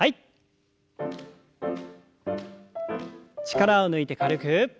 力を抜いて軽く。